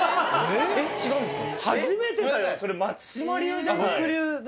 えっ違うんですか？